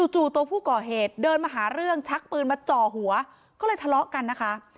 จู่ตัวผู้ก่อเหตุเดินมาหาเรื่องชักปืนมาจ่อหัวก็เลยทะเลาะกันนะคะ